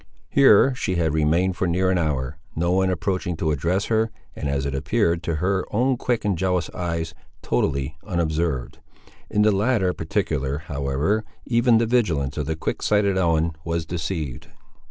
Here she had remained for near an hour, no one approaching to address her, and as it appeared to her own quick and jealous eyes, totally unobserved. In the latter particular, however, even the vigilance of the quick sighted Ellen was deceived.